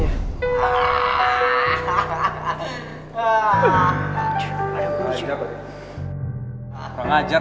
ya kalau lo deketin cewek